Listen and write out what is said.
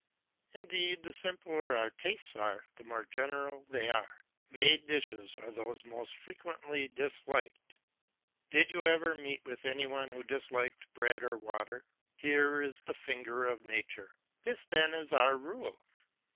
Indeed, the simpler our tastes are, the more general they are; made dishes are those most frequently disliked. Did you ever meet with any one who disliked bread or water? Here is the finger of nature, this then is our rule.